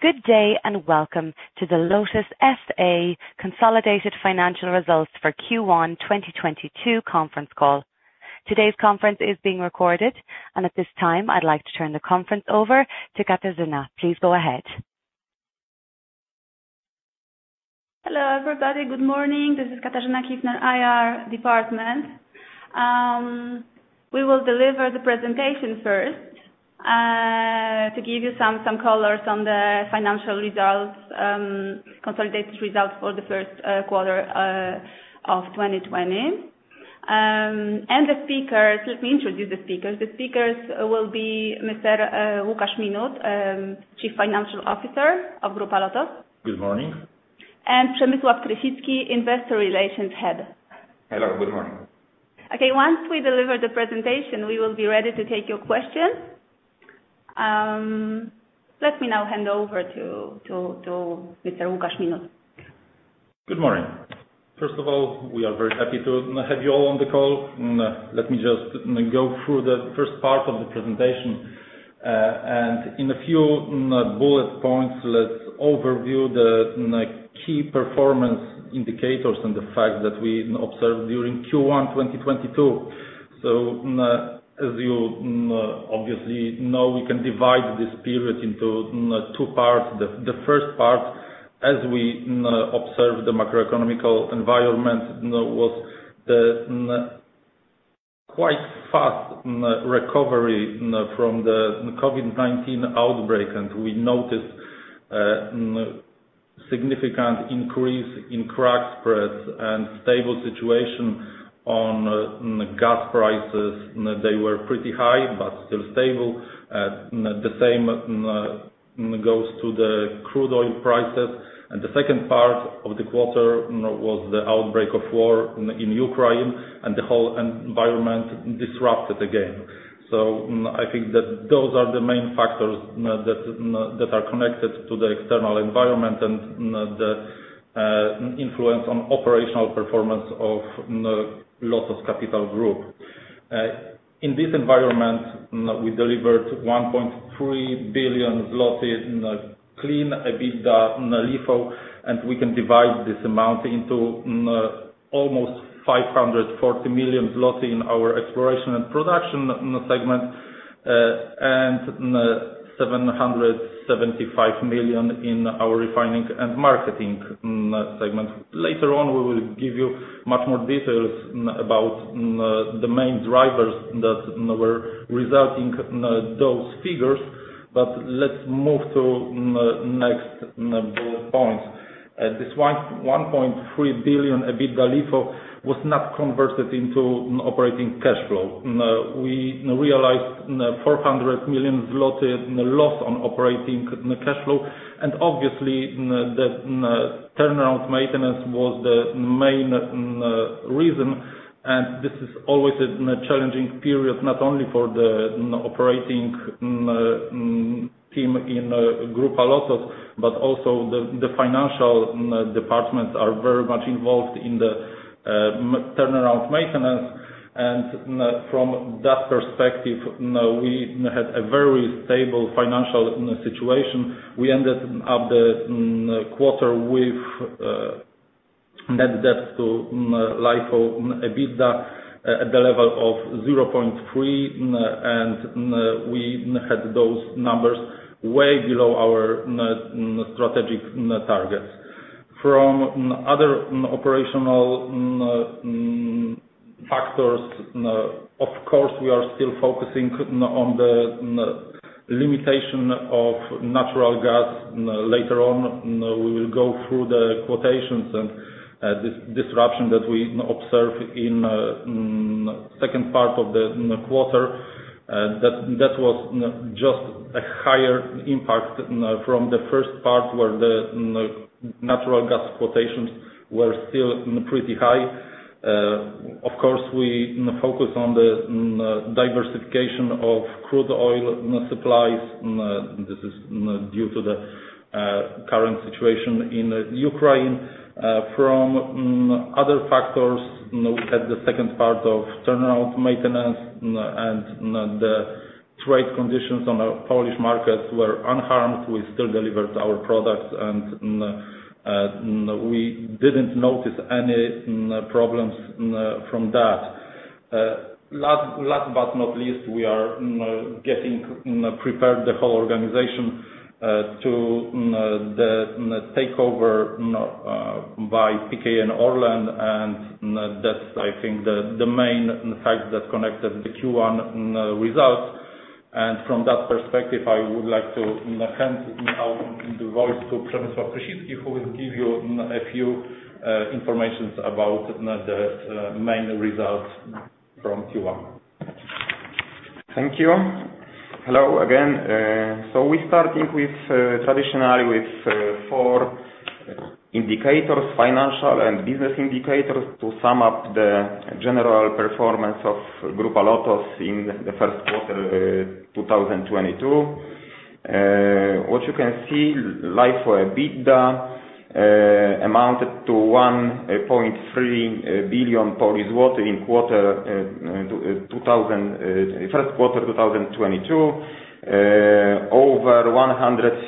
Good day, and welcome to the Grupa LOTOS S.A. consolidated financial results for Q1 2022 conference call. Today's conference is being recorded, and at this time, I'd like to turn the conference over to Katarzyna. Please go ahead. Hello, everybody. Good morning. This is Katarzyna Kifner, IR Department. We will deliver the presentation first to give you some colors on the financial results, consolidated results for the first quarter of 2020. Let me introduce the speakers. The speakers will be Mr. Łukasz Minuth, Chief Financial Officer of Grupa LOTOS. Good morning. Przemysław Krysicki, Investor Relations Head. Hello, good morning. Okay. Once we deliver the presentation, we will be ready to take your questions. Let me now hand over to Mr. Łukasz Minuth. Good morning. First of all, we are very happy to have you all on the call. Let me just go through the first part of the presentation. In a few bullet points, let's overview the, like, key performance indicators and the fact that we observed during Q1 2022. As you obviously know, we can divide this period into two parts. The first part, as we observe the macroeconomic environment was a quite fast recovery from the COVID-19 outbreak. We noticed significant increase in crack spreads and stable situation on gas prices. They were pretty high but still stable. The same goes to the crude oil prices. The second part of the quarter was the outbreak of war in Ukraine and the whole environment disrupted again. I think that those are the main factors that are connected to the external environment and the influence on operational performance of LOTOS Capital Group. In this environment, we delivered 1.3 billion zloty in clean EBITDA LIFO, and we can divide this amount into almost 540 million zloty in our exploration and production segment, and 775 million in our refining and marketing segment. Later on, we will give you much more details about the main drivers that were resulting in those figures. Let's move to next bullet points. This 1.3 billion EBITDA LIFO was not converted into operating cash flow. We realized 400 million zloty in loss on operating cash flow, and obviously the turnaround maintenance was the main reason. This is always a challenging period, not only for the operating team in Grupa LOTOS, but also the financial departments are very much involved in the turnaround maintenance. From that perspective, we had a very stable financial situation. We ended the quarter with net debt to LIFO EBITDA at the level of 0.3, and we had those numbers way below our strategic targets. From other operational factors, of course, we are still focusing on the limitation of natural gas. Later on, we will go through the quotations and this disruption that we observe in second part of the quarter. That was just a higher impact from the first part where the natural gas quotations were still pretty high. Of course, we focus on the diversification of crude oil supplies. This is due to the current situation in Ukraine. From other factors at the second part of turnaround maintenance and the trade conditions on our Polish markets were unharmed. We still delivered our products, and we didn't notice any problems from that. Last but not least, we are getting prepared the whole organization to the takeover by PKN Orlen, and that's I think the main fact that connected the Q1 results. From that perspective, I would like to hand now the voice to Przemysław Krysicki, who will give you a few informations about the main results from Q1. Thank you. Hello again. We're starting with traditionally with four indicators. Financial and business indicators, to sum up the general performance of Grupa LOTOS in the first quarter 2022. What you can see, LIFO EBITDA amounted to 1.3 billion in the first quarter 2022. Over 115%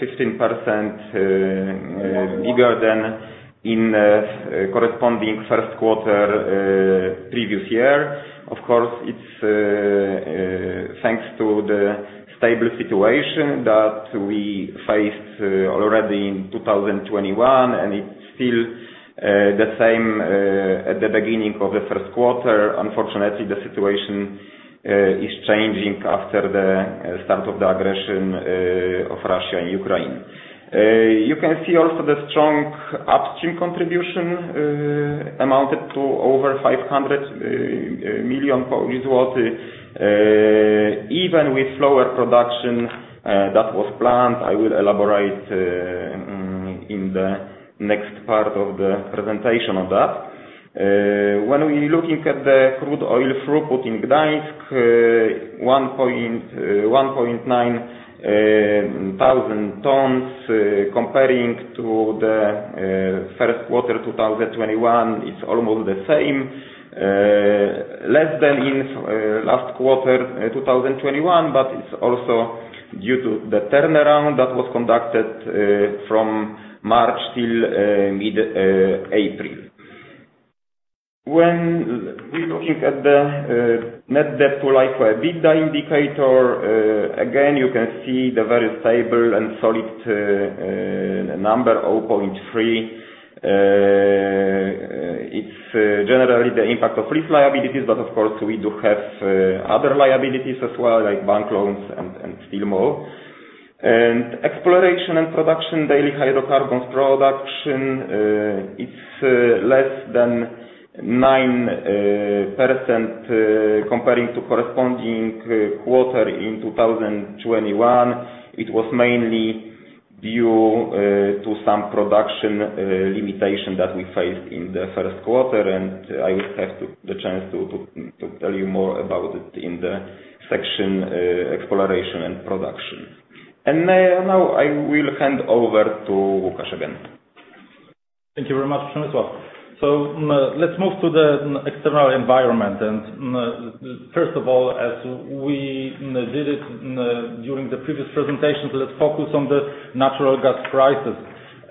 bigger than in corresponding first quarter previous year. Of course, it's thanks to the stable situation that we faced already in 2021, and it's still the same at the beginning of the first quarter. Unfortunately, the situation is changing after the start of the aggression of Russia in Ukraine. You can see also the strong upstream contribution amounted to over PLN 500 million even with lower production that was planned. I will elaborate in the next part of the presentation of that. When we're looking at the crude oil throughput in Gdańsk, 1,900 tons comparing to the first quarter 2021, it's almost the same. Less than in last quarter 2021, but it's also due to the turnaround that was conducted from March til' mid April. When we're looking at the net debt to LIFO EBITDA indicator, again you can see the very stable and solid number, 0.3. It's generally the impact of lease liabilities, but of course, we do have other liabilities as well, like bank loans and still more. Exploration and production daily hydrocarbons production is less than 9% comparing to corresponding quarter in 2021. It was mainly due to some production limitation that we faced in the first quarter, and I will have the chance to tell you more about it in the section exploration and production. Now, I will hand over to Łukasz again. Thank you very much, Przemysław. Let's move to the external environment. First of all, as we did it during the previous presentations, let's focus on the natural gas prices.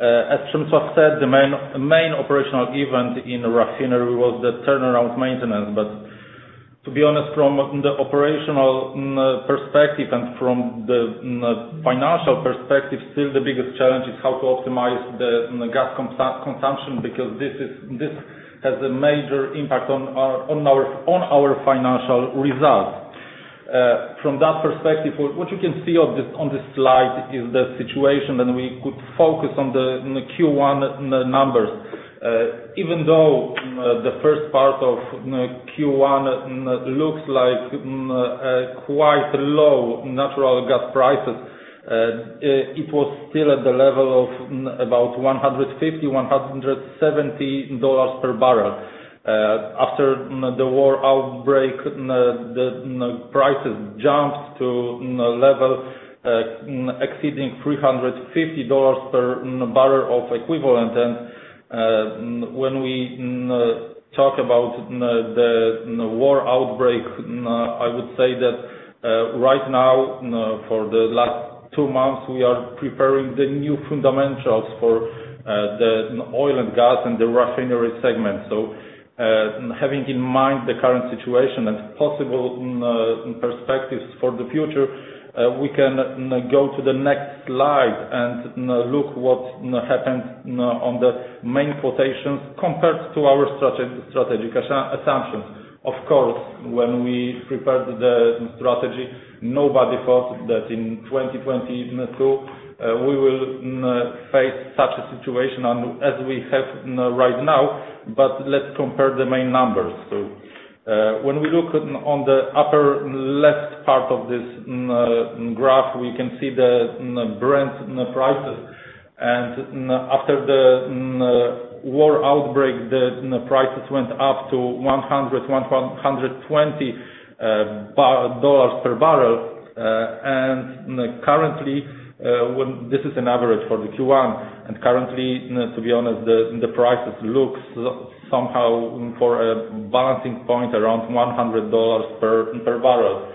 As Przemysław said, the main operational event in refinery was the turnaround maintenance. To be honest, from the operational perspective and from the financial perspective, still the biggest challenge is how to optimize the gas consumption because this has a major impact on our financial results. From that perspective, what you can see on this slide is the situation, and we could focus on the Q1 numbers. Even though the first part of Q1 looks like a quite low natural gas prices, it was still at the level of about $150-$170 per barrel. After the war outbreak, the prices jumped to level exceeding $350 per barrel of oil equivalent. When we talk about the war outbreak, I would say that right now, for the last two months, we are preparing the new fundamentals for the oil and gas and the refinery segment. Having in mind the current situation and possible perspectives for the future, we can go to the next slide and look what happened on the main quotations compared to our strategic assumptions. Of course, when we prepared the strategy, nobody thought that in 2022 we will face such a situation and as we have right now, but let's compare the main numbers. When we look on the upper left part of this graph, we can see the Brent prices. After the war outbreak, the prices went up to $100-$120 per barrel. Currently, this is an average for Q1. Currently, to be honest, the prices look somehow for a balancing point around $100 per barrel.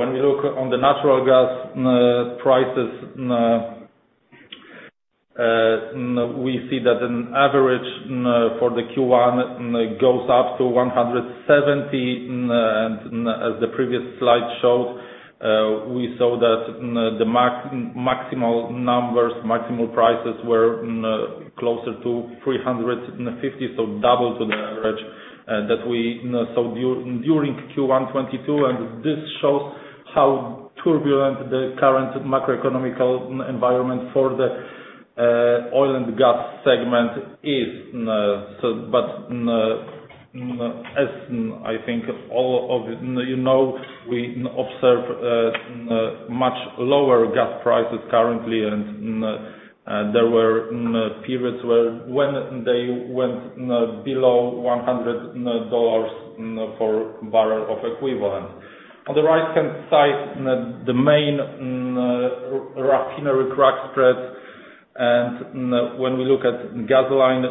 When we look on the natural gas prices, we see that an average for Q1 goes up to $170. As the previous slide showed, we saw that the maximal prices were closer to $350, so double to the average that we saw during Q1 2022. This shows how turbulent the current macroeconomic environment for the oil and gas segment is. But as I think all of you know, we observe much lower gas prices currently. There were periods when they went below $100 for barrel of equivalent. On the right-hand side, the main refinery crack spreads. When we look at gasoline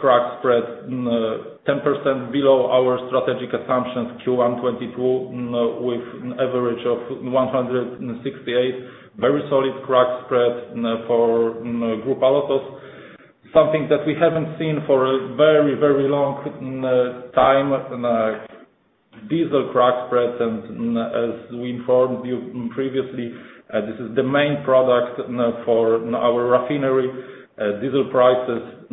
crack spread, 10% below our strategic assumptions, Q1 2022, with an average of $168. Very solid crack spread for Grupa LOTOS, something that we haven't seen for a very, very long time. Diesel crack spreads, as we informed you previously, this is the main product for our refinery. Diesel prices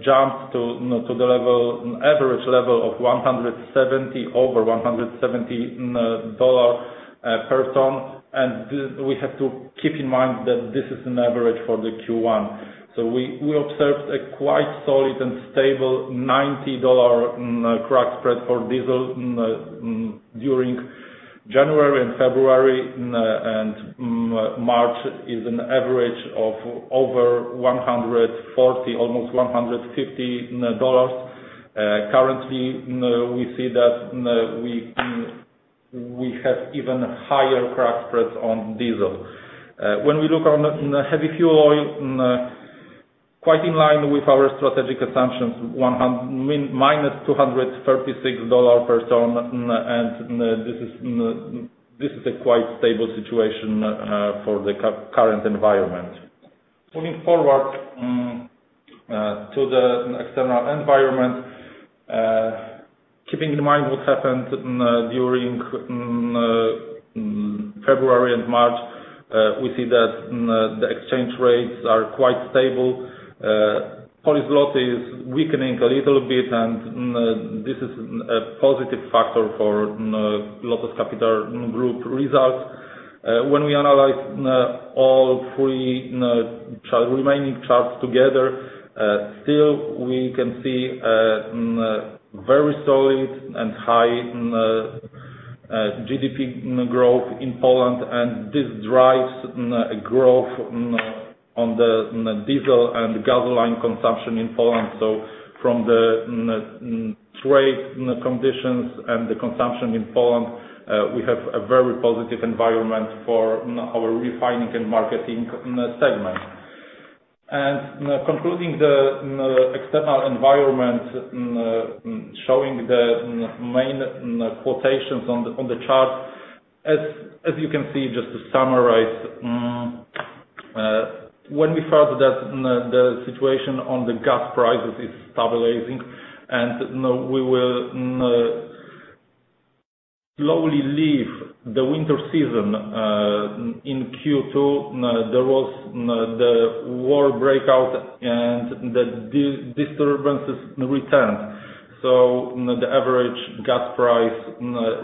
jumped to the average level of over $170 per ton. We have to keep in mind that this is an average for the Q1. We observed a quite solid and stable $90 crack spread for diesel during January and February. March is an average of over $140, almost $150. Currently, we see that we have even higher crack spreads on diesel. When we look on the heavy fuel oil, quite in line with our strategic assumptions, -$236 per ton. This is a quite stable situation for the current environment. Moving forward to the external environment, keeping in mind what happened during February and March. We see that the exchange rates are quite stable. Polish złoty is weakening a little bit, and this is a positive factor for LOTOS Capital Group results. When we analyze all three remaining charts together, still, we can see very solid and high GDP growth in Poland, and this drives growth on the diesel and gasoline consumption in Poland. From the trade conditions and the consumption in Poland, we have a very positive environment for our refining and marketing in the segment. Concluding the external environment, showing the main quotations on the chart. As you can see, just to summarize, when we thought that the situation on the gas prices is stabilizing and, you know, we will slowly leave the winter season in Q2. There was the war broke out and the disturbances returned. The average gas price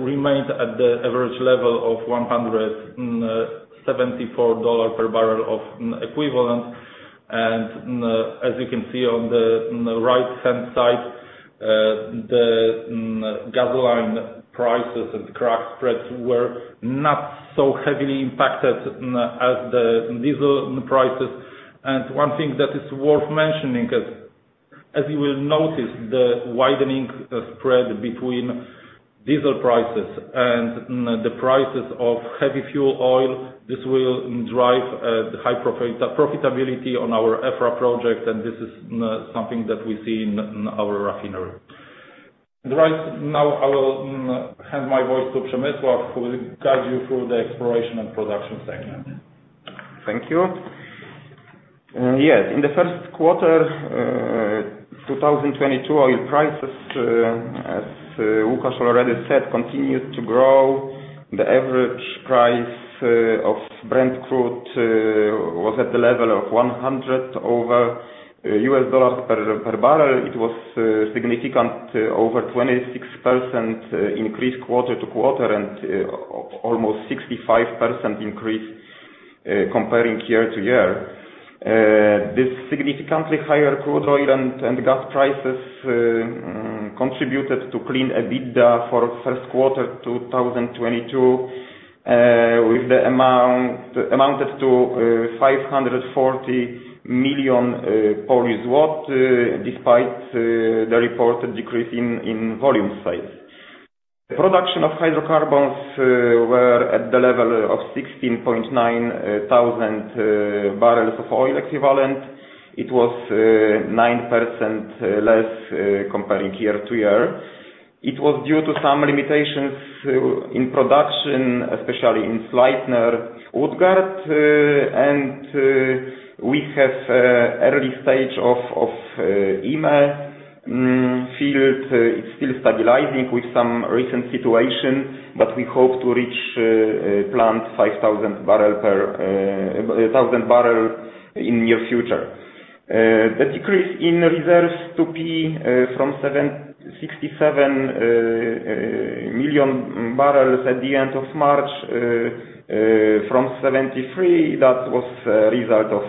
remained at the average level of $174 per barrel of equivalent. As you can see on the right-hand side, the gasoline prices and crack spreads were not so heavily impacted as the diesel prices. One thing that is worth mentioning, as you will notice, the widening spread between diesel prices and the prices of heavy fuel oil. This will drive high profitability on our EFRA project, and this is something that we see in our refinery. Right now, I will hand my voice to Przemysław, who will guide you through the exploration and production segment. Thank you. Yes. In the first quarter 2022, oil prices, as Łukasz already said, continued to grow. The average price of Brent crude was at the level of over $100 per barrel. It was a significant over 26% increase quarter-over-quarter and almost 65% increase year-over-year. This significantly higher crude oil and gas prices contributed to clean EBITDA for first quarter 2022 with the amount amounted to 540 million. Despite the reported decrease in volume sales. The production of hydrocarbons were at the level of 16,900 barrels of oil equivalent. It was 9% less year-over-year. It was due to some limitations in production, especially in Sleipner, Utgard, and we have early stage of Yme field. It's still stabilizing with some recent situation, but we hope to reach planned 5,000 barrels per day in near future. The decrease in reserves to 67 million barrels at the end of March from 73 million, that was a result of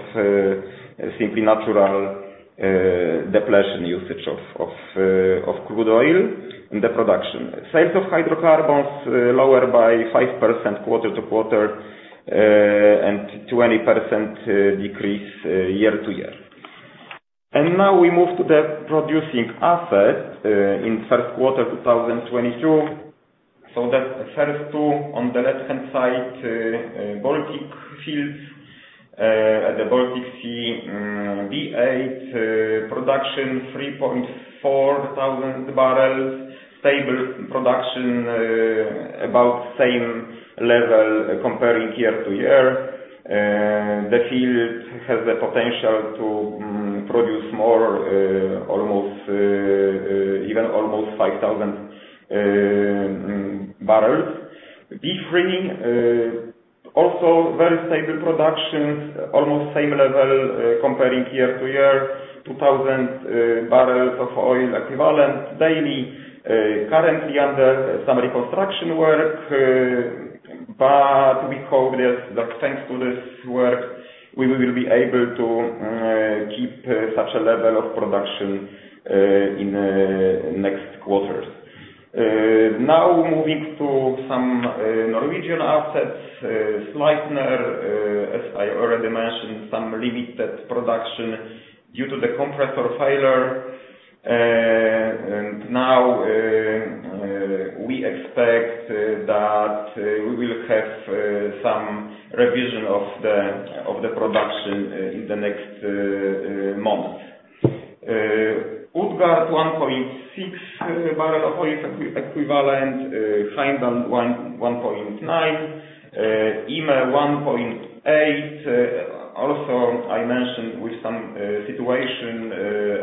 simply natural depletion usage of crude oil in the production. Sales of hydrocarbons lower by 5% quarter-over-quarter and 20% decrease year-over-year. Now we move to the producing asset in first quarter 2022. That first two on the left-hand side, Baltic fields at the Baltic Sea, B8 production 3,400 barrels, stable production, about same level comparing year-over-year. The field has the potential to produce more, almost 5,000 barrels. B3 also very stable production, almost same level comparing year-over-year, 2,000 barrels of oil equivalent daily. Currently under some reconstruction work, but we hope that thanks to this work, we will be able to keep such a level of production in next quarters. Now moving to some Norwegian assets. Sleipner, as I already mentioned, some limited production due to the compressor failure. Now we expect that we will have some revision of the production in the next months. Utgard 1.6 barrel of oil equivalent, Heimdal 1.9 barrel, Yme 1.8 barrel. Also I mentioned with some situation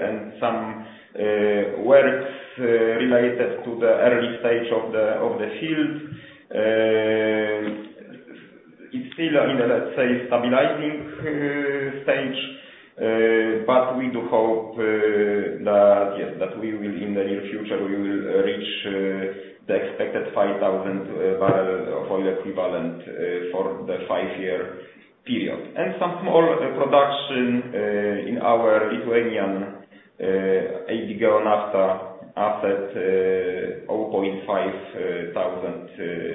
and some works related to the early stage of the field. It's still in, let's say, stabilizing stage. We do hope that, yes, that we will in the near future, we will reach the expected 5,000 barrel of oil equivalent for the five-year period. Some small production in our Lithuanian AB LOTOS Geonafta asset, 500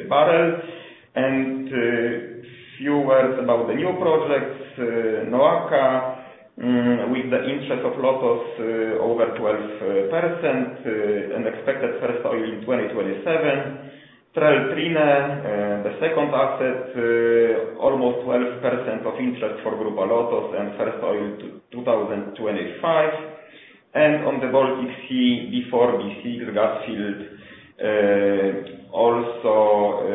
barrels. Few words about the new projects. NOAKA, with the interest of LOTOS, over 12%, and expected first oil in 2027. Trell and Trine, the second asset, almost 12% of interest for Grupa LOTOS and first oil 2025. On the Baltic Sea, B4, B6 gas field, also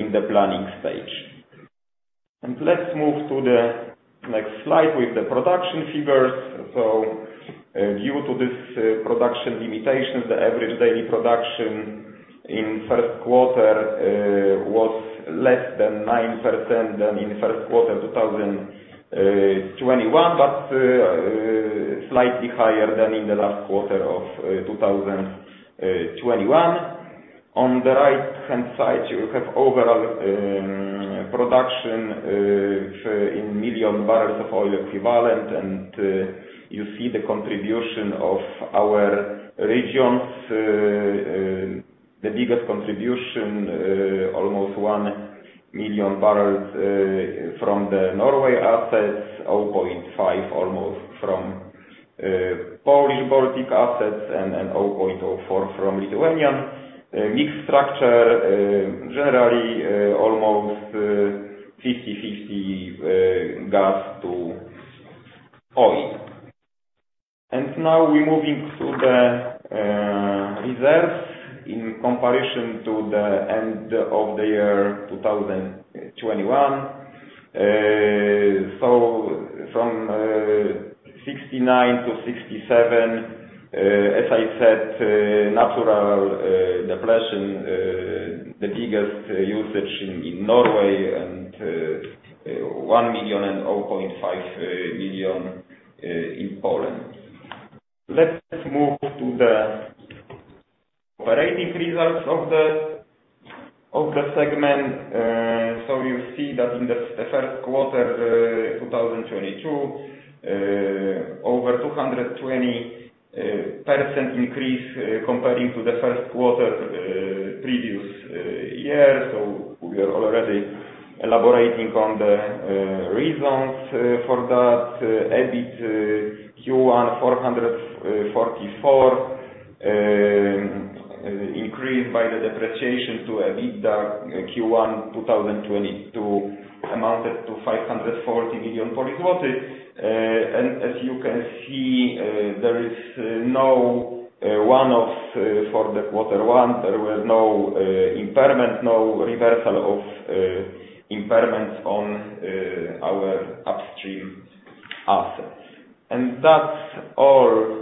in the planning stage. Let's move to the next slide with the production figures. Due to this, production limitations, the average daily production in first quarter was less than 9% than in first quarter 2021, but slightly higher than in the last quarter of 2021. On the right-hand side, you have overall production in million barrels of oil equivalent, and you see the contribution of our regions. The biggest contribution, almost one million barrels from the Norway assets, almost 0.5 from Polish Baltic assets, and 0.04 from Lithuanian. Mix structure, generally, almost 50/50 gas to oil. Now we're moving to the reserves in comparison to the end of the year 2021. So from 69 to 67, as I said, natural depletion, the biggest depletion in Norway and one million and 0.5 million in Poland. Let's move to the operating results of the segment. So you see that in the first quarter 2022, over 220% increase comparing to the first quarter previous year. We are already elaborating on the reasons for that. EBIT Q1 444 million increased by the depreciation to EBITDA Q1 2022 amounted to 540 million. As you can see, there is no one-off for quarter one. There was no impairment, no reversal of impairments on our upstream assets. That's all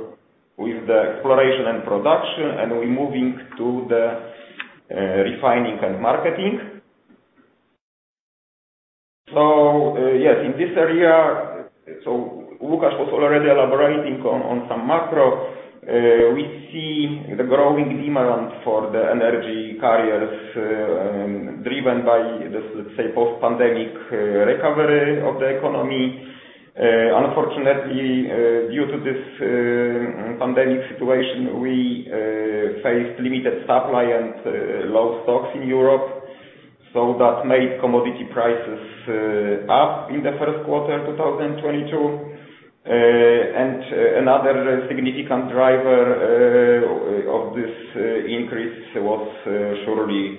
with the exploration and production, and we're moving to the refining and marketing. Yes, in this area, Łukasz was already elaborating on some macro. We see the growing demand for the energy carriers driven by this, let's say, post-pandemic recovery of the economy. Unfortunately, due to this pandemic situation, we faced limited supply and low stocks in Europe, so that made commodity prices up in the first quarter 2022. Another significant driver of this increase was surely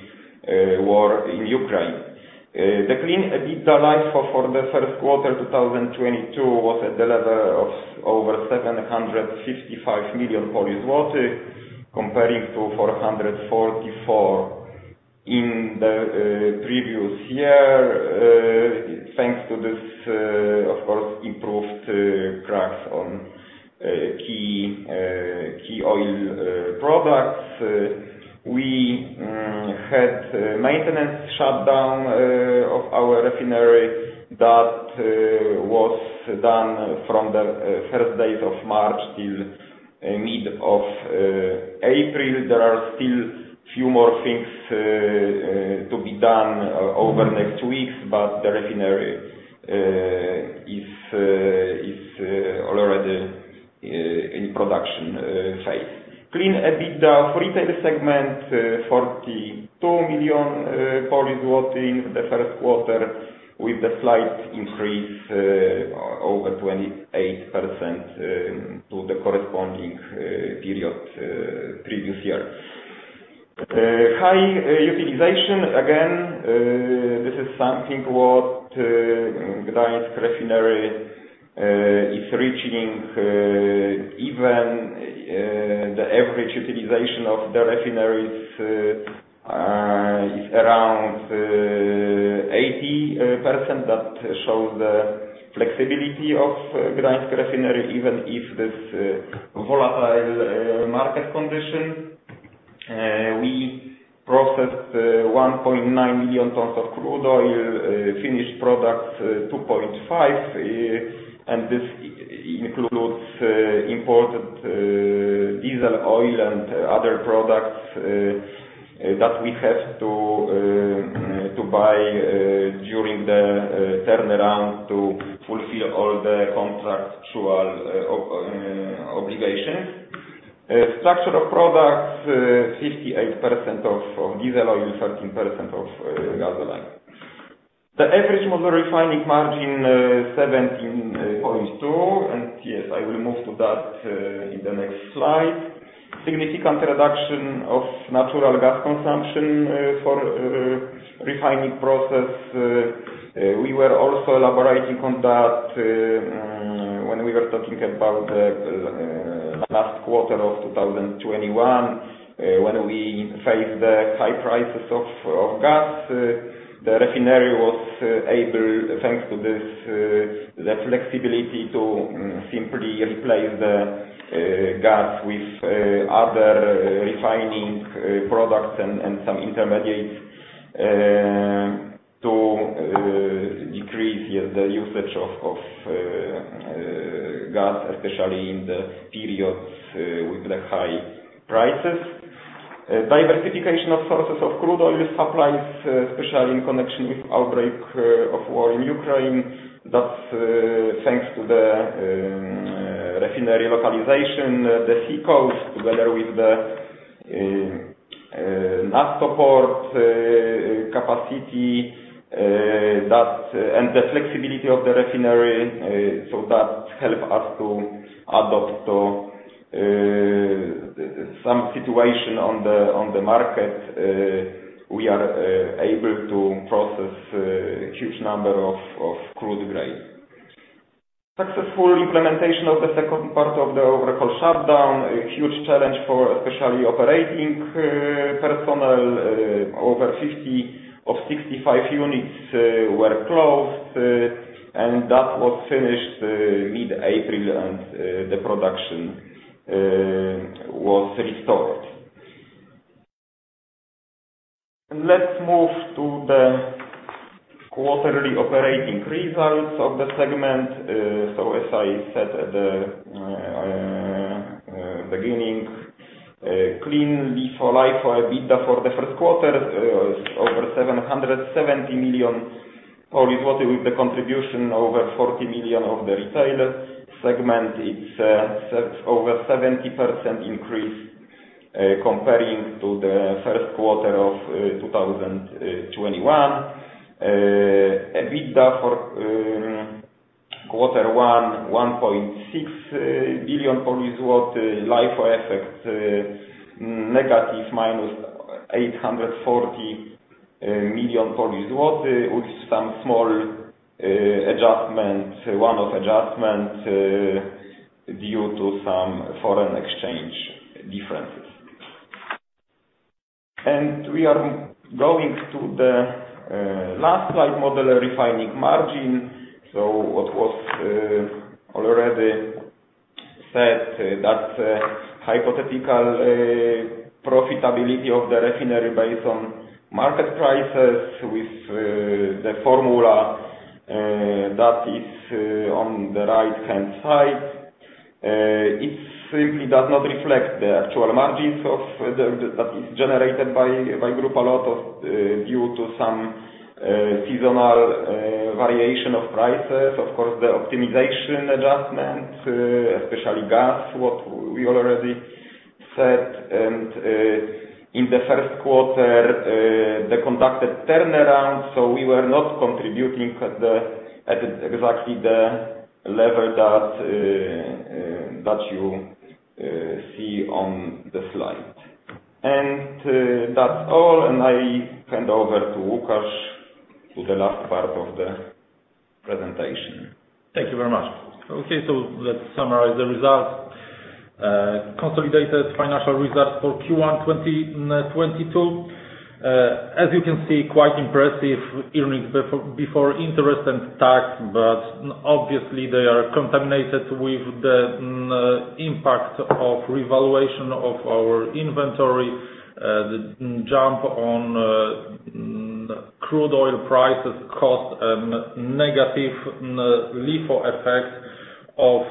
war in Ukraine. The clean EBITDA LIFO for the first quarter 2022 was at the level of over 755 million, comparing to 444 million in the previous year. Thanks to this, of course, improved cracks on key oil products. We had maintenance shutdown of our refinery that was done from the first days of March until mid-April. There are still few more things to be done over next weeks, but the refinery is already in production phase. Clean EBITDA retail segment 42 million in the first quarter, with a slight increase over 28% to the corresponding period previous year. High utilization. Again, this is something what Gdańsk refinery is reaching. Even the average utilization of the refineries is around 80%. That shows the flexibility of Gdańsk refinery, even in this volatile market condition. We processed 1.9 million tons of crude oil, finished products 2.5 million tons. This includes imported diesel oil and other products that we have to buy during the turnaround to fulfill all the contractual obligations. Structure of products, 58% of diesel oil, 13% of gasoline. The average model refining margin $17.2, and yes, I will move to that in the next slide. Significant reduction of natural gas consumption for refining process. We were also elaborating on that when we were talking about the last quarter of 2021 when we faced the high prices of gas. The refinery was able, thanks to this, the flexibility to simply replace the gas with other refining products and some intermediates, to decrease the usage of gas, especially in the periods with the high prices. Diversification of sources of crude oil supplies, especially in connection with outbreak of war in Ukraine. That's thanks to the refinery localization, the sea coast, together with the Naftoport capacity, and the flexibility of the refinery. That help us to adapt to some situation on the market. We are able to process huge number of crude grade. Successful implementation of the second part of the overall shutdown. A huge challenge for especially operating personnel. Over 50 of 65 units were closed, and that was finished mid-April and the production was restored. Let's move to the quarterly operating results of the segment. As I said at the beginning, clean before LIFO EBITDA for the first quarter was over 770 million, with the contribution over 40 million of the retail segment. It's over 70% increase comparing to the first quarter of 2021. EBITDA for quarter one, 1.6 billion. LIFO effect negative minus 840 million, with some small, one-off adjustment due to some foreign exchange differences. We are going to the last slide, model refining margin. What was already said that hypothetical profitability of the refinery based on market prices with the formula that is on the right-hand side. It simply does not reflect the actual margins that is generated by Grupa LOTOS due to some seasonal variation of prices, of course, the optimization adjustment, especially gas, what we already said. In the first quarter, the conducted turnaround, so we were not contributing at exactly the level that you see on the slide. That's all, and I hand over to Łukasz to the last part of the presentation. Thank you very much. Okay, let's summarize the results. Consolidated financial results for Q1 2022. As you can see, quite impressive earnings before interest and tax, but obviously they are contaminated with the impact of revaluation of our inventory. The jump in crude oil prices caused a negative LIFO effect of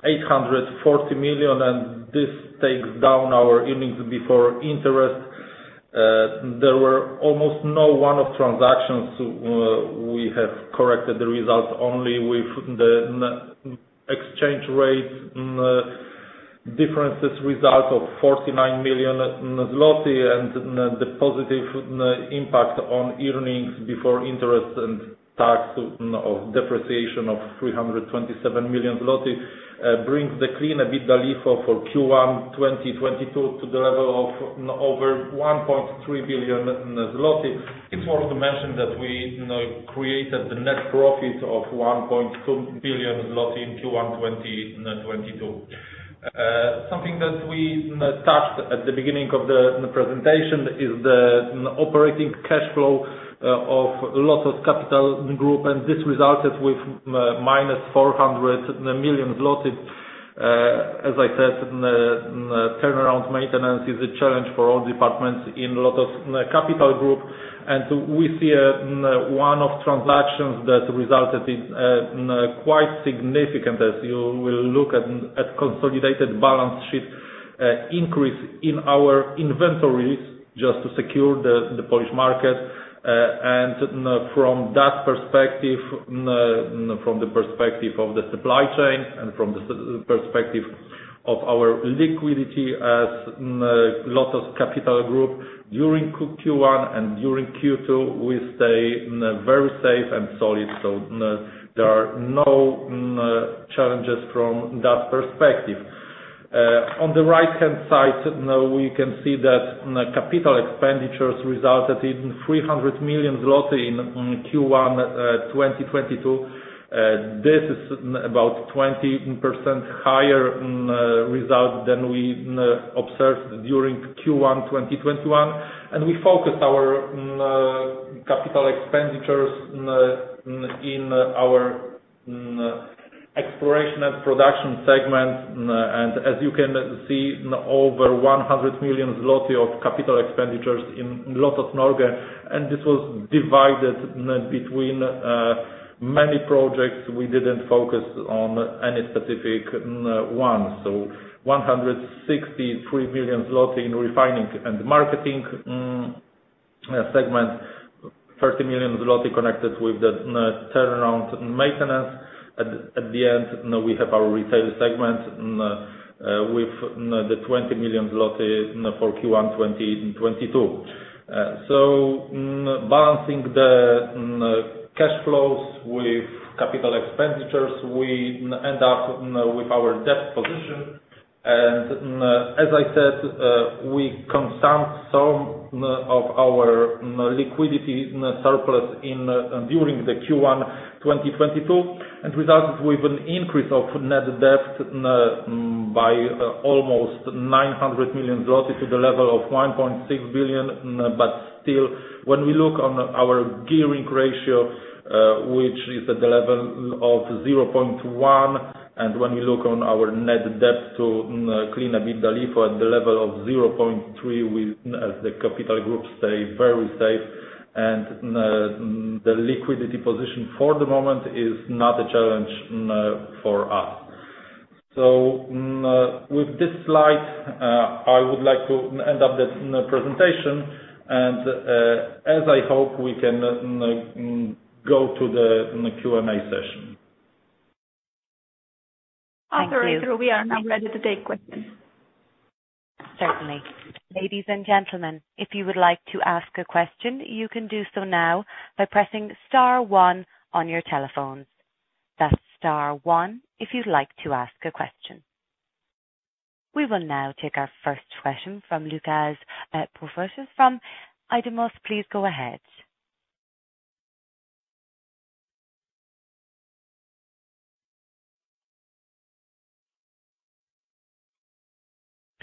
840 million, and this takes down our earnings before interest. There were almost no one-off transactions. We have corrected the results only with the exchange rate differences result of 49 million zloty and the positive impact on earnings before interest and tax of depreciation of 327 million zloty, brings the clean EBITDA LIFO for Q1 2022 to the level of over 1.3 billion zloty. It's worth to mention that we, you know, created the net profit of 1.2 billion zloty in Q1 2022. Something that we touched at the beginning of the presentation is the operating cash flow of LOTOS Capital Group, and this resulted with the -400 million zloty. As I said, turnaround maintenance is a challenge for all departments in LOTOS Capital Group. We see one of transactions that resulted in quite significant, as you will look at consolidated balance sheet, increase in our inventories just to secure the Polish market. From that perspective, from the perspective of the supply chain and from the perspective of our liquidity as LOTOS Capital Group during Q1 and during Q2, we stay very safe and solid. There are no challenges from that perspective. On the right-hand side, now we can see that capital expenditures resulted in 300 million zloty in Q1 2022. This is about 20% higher result than we observed during Q1 2021. We focus our capital expenditures in our exploration and production segment. As you can see, over 100 million zloty of capital expenditures in LOTOS Norge, and this was divided between many projects. We didn't focus on any specific one. 163 million zloty in refining and marketing segment. 30 million zloty connected with the turnaround maintenance. At the end, we have our retail segment with the 20 million zloty for Q1 2022. Balancing the cash flows with capital expenditures, we end up with our debt position. As I said, we consumed some of our liquidity surplus during Q1 2022, and resulted with an increase of net debt by almost 900 million zloty to the level of 1.6 billion. Still, when we look on our gearing ratio, which is at the level of 0.1, and when we look on our net debt to clean EBITDA LIFO at the level of 0.3, we as the capital group stay very safe. The liquidity position for the moment is not a challenge for us. With this slide, I would like to end up the presentation and, as I hope, we can go to the Q&A session. Thank you. Operator, we are now ready to take questions. Certainly. Ladies and gentlemen, if you would like to ask a question, you can do so now by pressing star one on your telephones. That's star one if you'd like to ask a question. We will now take our first question from Łukasz from DM BOŚ. Please go ahead.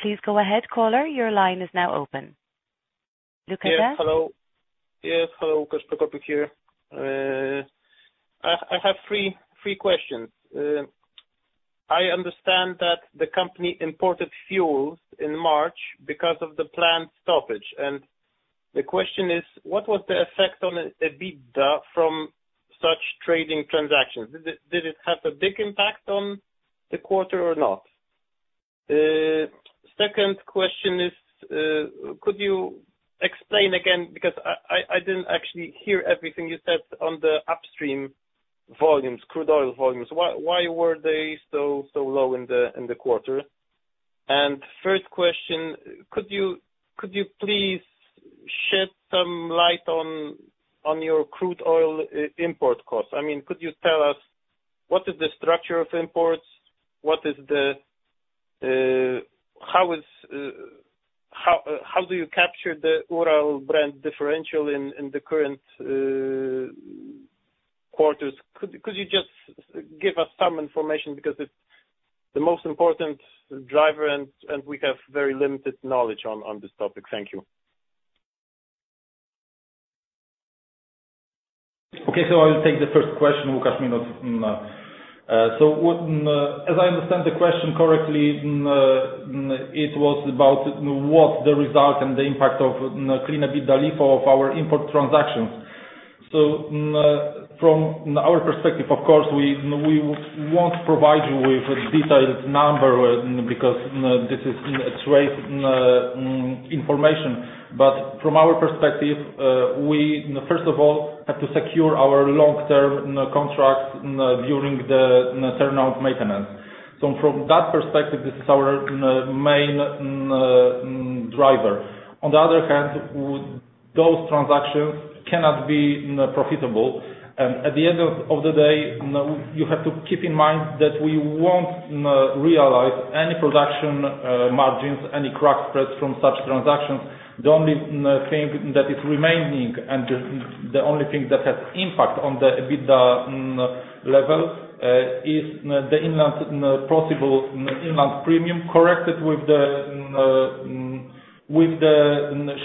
Please go ahead, caller. Your line is now open. Łukasz? Hello, Łukasz Prokopiuk here. I have three questions. I understand that the company imported fuels in March because of the planned stoppage. The question is, what was the effect on EBITDA from such trading transactions? Did it have a big impact on the quarter or not? Second question is, could you explain again, because I didn't actually hear everything you said on the upstream volumes, crude oil volumes. Why were they so low in the quarter? First question, could you please shed some light on your crude oil import costs? I mean, could you tell us what is the structure of imports? What is the, how is, how do you capture the Urals blend differential in the current quarters? Could you just give us some information because it's the most important driver and we have very limited knowledge on this topic. Thank you. Okay. I will take the first question, Łukasz Minuth. As I understand the question correctly, it was about what the result and the impact of clean EBITDA LIFO of our import transactions. From our perspective, of course, we won't provide you with a detailed number because this is trade information. From our perspective, we first of all have to secure our long-term contracts during the turnaround maintenance. From that perspective, this is our main driver. On the other hand, those transactions cannot be profitable. At the end of the day, you have to keep in mind that we won't realize any production margins, any crack spreads from such transactions. The only thing that is remaining and the only thing that has impact on the EBITDA level is the inland, possibly inland premium corrected with the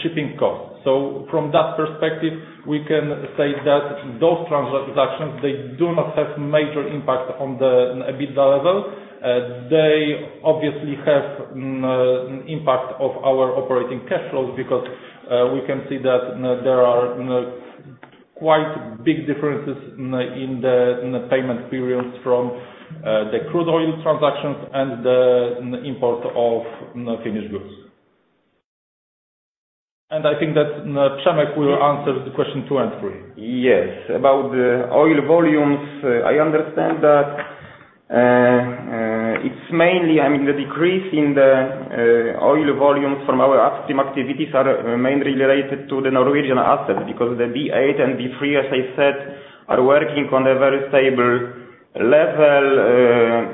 shipping cost. From that perspective, we can say that those transactions, they do not have major impact on the EBITDA level. They obviously have impact on our operating cash flows because we can see that there are quite big differences in the payment periods from the crude oil transactions and the import of finished goods. I think that Przemek will answer the question two and three. Yes. About the oil volumes, I understand that it's mainly, I mean, the decrease in the oil volumes from our upstream activities are mainly related to the Norwegian assets because the B8 and B3, as I said, are working on a very stable level,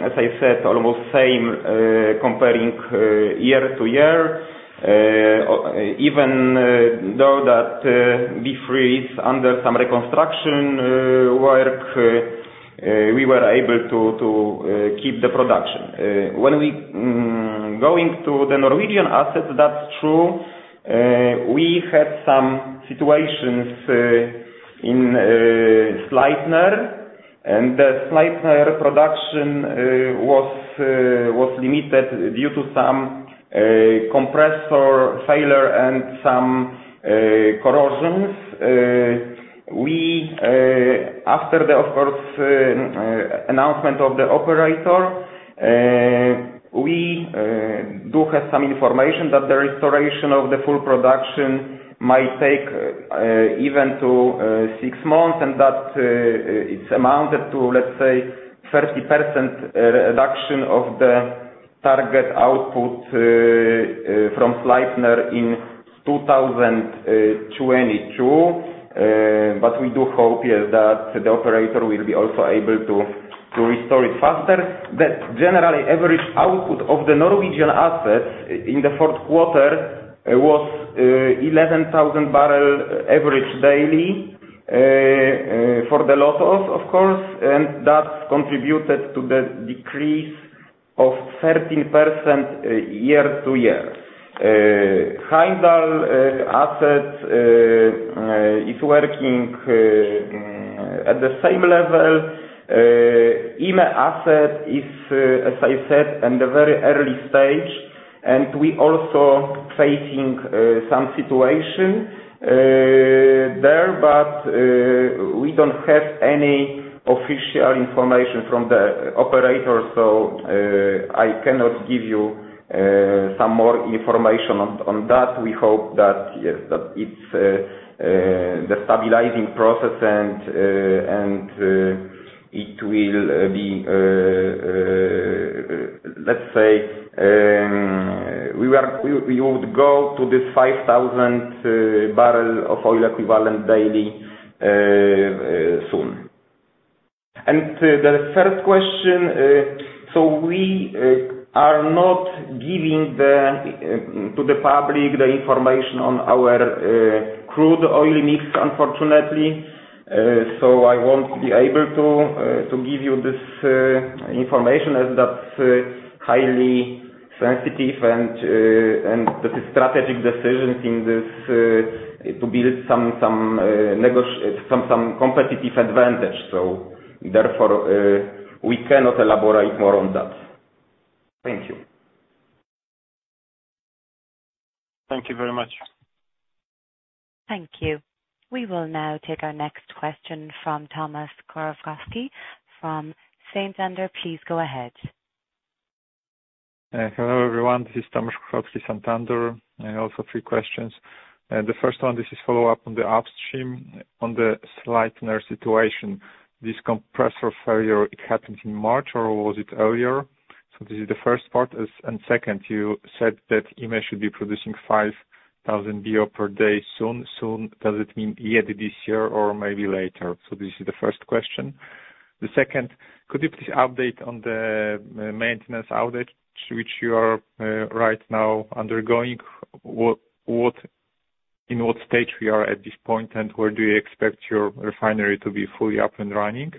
as I said, almost same comparing year to year. Even though that B3 is under some reconstruction work, we were able to keep the production. When we going to the Norwegian assets, that's true. We had some situations in Sleipner. The Sleipner production was limited due to some compressor failure and some corrosion. After the, of course, announcement of the operator, we do have some information that the restoration of the full production might take even to six months and that it's amounted to, let's say, 30% reduction of the target output from Sleipner in 2022. We do hope, yes, that the operator will be also able to restore it faster. Generally, average output of the Norwegian assets in the fourth quarter was 11,000 barrel average daily for the LOTOS, of course, and that contributed to the decrease of 13% year-to-year. The Heimdal asset is working at the same level. Yme asset is, as I said, in the very early stage, and we also facing some situation there, but we don't have any official information from the operator, so I cannot give you some more information on that. We hope that, yes, that it's the stabilizing process and it will be, let's say, we would go to this 5,000 barrel of oil equivalent daily soon. To the first question, so we are not giving to the public the information on our crude oil mix, unfortunately. I won't be able to give you this information as that's highly sensitive and this is strategic decisions in this to build some competitive advantage. Therefore, we cannot elaborate more on that. Thank you. Thank you very much. Thank you. We will now take our next question from Tomasz Krukowski from Santander. Please go ahead. Hello, everyone. This is Tomasz Krukowski, Santander. I have also three questions. The first one, this is follow-up on the upstream on the Sleipner situation. This compressor failure, it happened in March or was it earlier? This is the first part. Second, you said that Yme should be producing 5,000 BOE per day soon. Soon, does it mean this year or maybe later? This is the first question. The second, could you please update on the maintenance outage which you are right now undergoing? What stage are we at this point, and where do you expect your refinery to be fully up and running?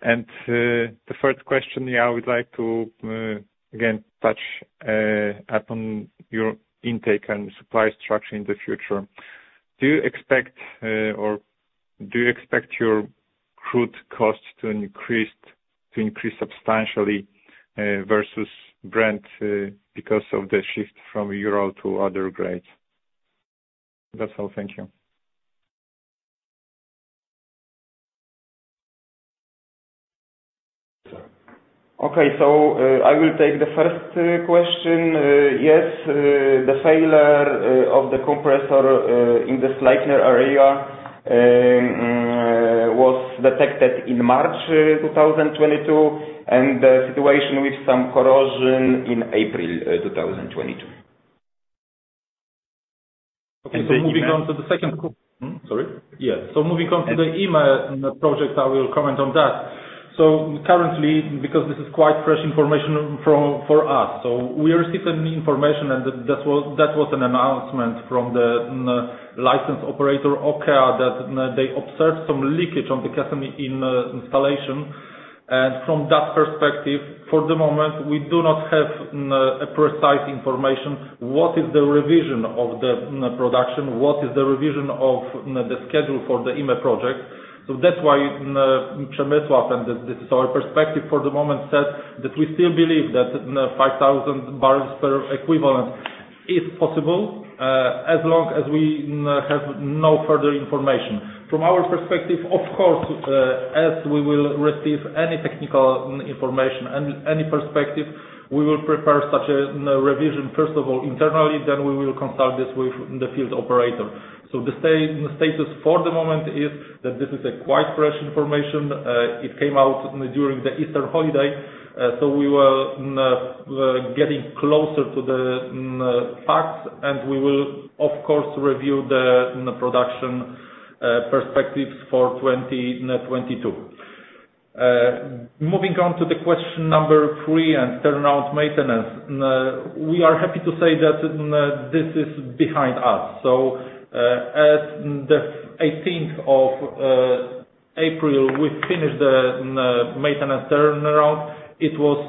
The third question, yeah, I would like to again touch upon your intake and supply structure in the future. Do you expect your crude costs to increase substantially versus Brent because of the shift from Urals to other grades? That's all. Thank you. Okay. I will take the first question. Yes, the failure of the compressor in the Sleipner area was detected in March 2022, and the situation with some corrosion in April 2022. Okay. Moving on to the second question. Moving on to the Yme project, I will comment on that. Currently, because this is quite fresh information for us, we are receiving information and that was an announcement from the license operator, Aker, that they observed some leakage on the subsea installation. From that perspective, for the moment, we do not have a precise information what is the revision of the production, what is the revision of the schedule for the Yme project. That's why, Przemysław and this is our perspective for the moment, said that we still believe that 5,000 barrels of oil equivalent is possible, as long as we have no further information. From our perspective, of course, as we will receive any technical information and any perspective, we will prepare such a revision, first of all, internally, then we will consult this with the field operator. The status for the moment is that this is a quite fresh information. It came out during the Easter holiday. We were getting closer to the facts, and we will of course review the production perspectives for 2022. Moving on to the question number three and turnaround maintenance. We are happy to say that this is behind us. At the eighteenth of April, we finished the maintenance turnaround. It was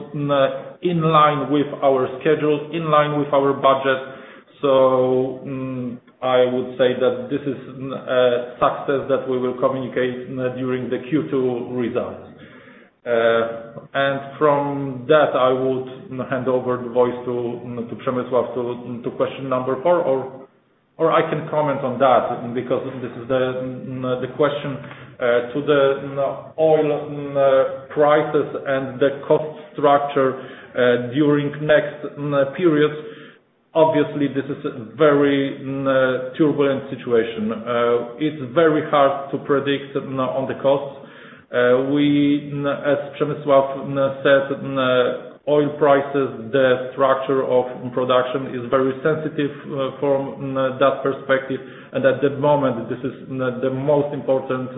in line with our schedule, in line with our budget. I would say that this is success that we will communicate during the Q2 results. From that, I would hand over the voice to Przemysław to question number four, or I can comment on that because this is the question to the oil prices and the cost structure during next periods. Obviously, this is a very turbulent situation. It's very hard to predict on the costs. We, as Przemysław said, oil prices, the structure of production is very sensitive from that perspective. At the moment, this is the most important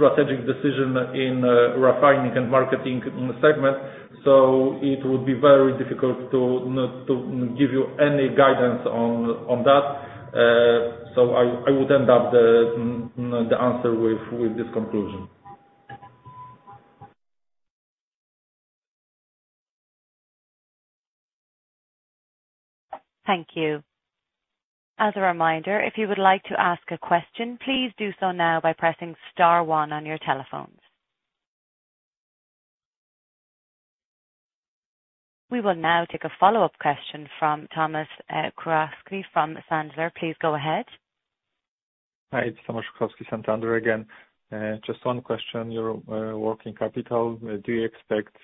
strategic decision in refining and marketing segment. It would be very difficult to give you any guidance on that. I would wrap up the answer with this conclusion. Thank you. As a reminder, if you would like to ask a question, please do so now by pressing star one on your telephones. We will now take a follow-up question from Tomasz Krukowski from Santander. Please go ahead. Hi, it's Tomasz Krukowski, Santander again. Just one question. Your working capital, do you expect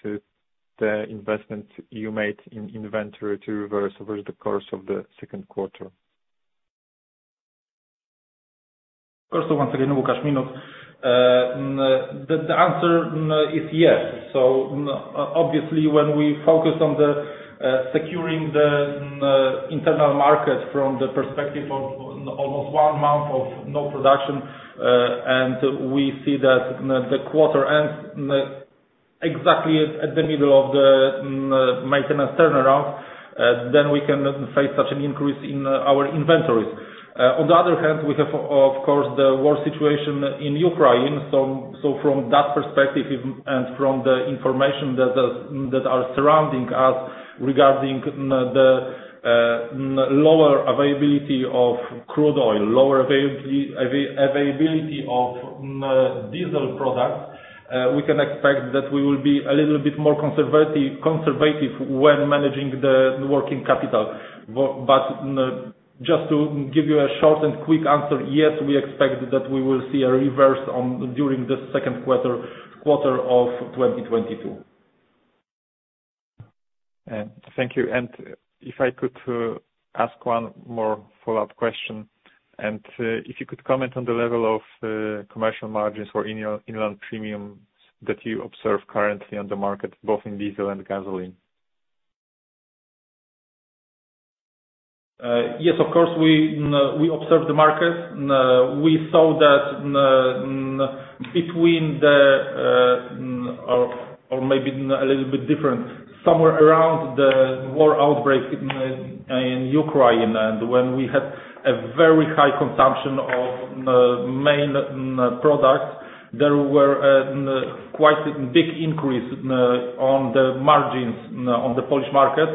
the investment you made in inventory to reverse over the course of the second quarter? First of all, once again, Łukasz Minuth, the answer is yes. Obviously, when we focus on securing the internal market from the perspective of almost one month of no production, and we see that the quarter ends exactly at the middle of the maintenance turnaround, then we can face such an increase in our inventories. On the other hand, we have of course the war situation in Ukraine. From that perspective and from the information that are surrounding us regarding the lower availability of crude oil, lower availability of diesel products, we can expect that we will be a little bit more conservative when managing the working capital. Just to give you a short and quick answer, yes, we expect that we will see a reversal during the second quarter of 2022. Thank you. If I could ask one more follow-up question, and if you could comment on the level of commercial margins for inland premiums that you observe currently on the market, both in diesel and gasoline. Yes, of course, we observe the market. We saw that, or maybe a little bit different, somewhere around the war outbreak in Ukraine, and when we had a very high consumption of main products, there were quite a big increase on the margins on the Polish market.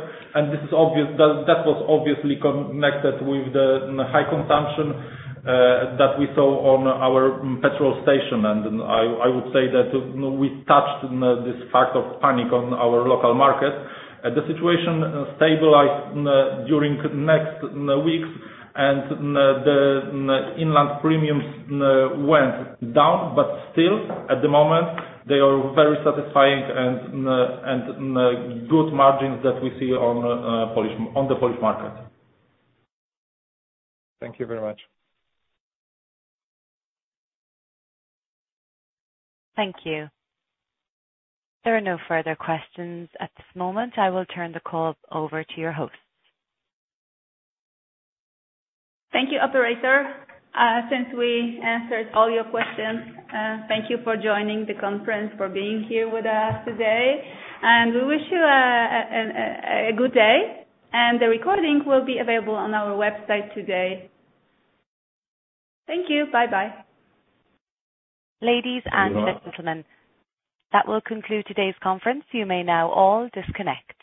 This is obvious. That was obviously connected with the high consumption that we saw on our petrol station. I would say that we touched this fact of panic on our local market. The situation stabilized during next weeks and the inland premiums went down, but still at the moment, they are very satisfying and good margins that we see on the Polish market. Thank you very much. Thank you. There are no further questions at this moment. I will turn the call over to your host. Thank you, operator. Since we answered all your questions, thank you for joining the conference, for being here with us today. We wish you a good day, and the recording will be available on our website today. Thank you. Bye-bye. Ladies and gentlemen, that will conclude today's conference. You may now all disconnect.